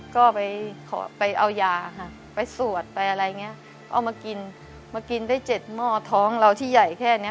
ก็ไปเอายาไปสวดไปอะไรเงี้ยก็มากินได้๗หม้อท้องเราที่ใหญ่แค่เนี่ย